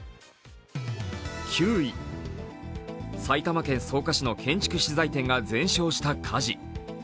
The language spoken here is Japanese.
９位、埼玉県草加市の建築資材店が全焼した火事。